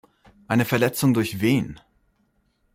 Eine Verletzung durch wen?